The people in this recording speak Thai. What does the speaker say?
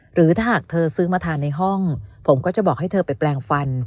หรือถ้าหากเธอซื้อมาทานในห้องผมก็จะบอกให้เธอไปแปลงฟัน